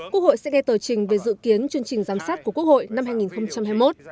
quốc hội sẽ nghe tờ trình về dự kiến chương trình giám sát của quốc hội năm hai nghìn hai mươi một